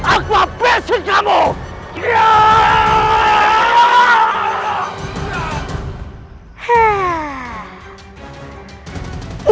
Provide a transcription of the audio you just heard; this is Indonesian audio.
aku akan menjemputmu